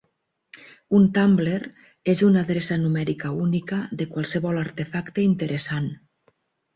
Un "tumbler" és una adreça numèrica única de qualsevol artefacte interessant.